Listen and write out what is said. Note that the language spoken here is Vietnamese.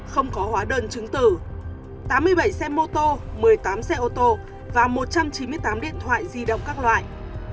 không có hóa đơn chứng tử tám mươi bảy xe mô tô một mươi tám xe ô tô và một trăm chín mươi tám điện thoại di động các loại